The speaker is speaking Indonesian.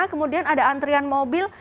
kemudian ada antrian mobil